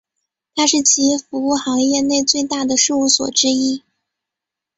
它是企业服务行业内最大的事务所之一。